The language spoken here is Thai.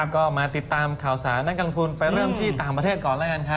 ก็มาติดตามข่าวสารนักลงทุนไปเริ่มที่ต่างประเทศก่อนแล้วกันครับ